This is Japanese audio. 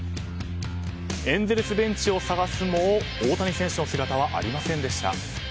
エンゼルスベンチを探すも大谷選手の姿はありませんでした。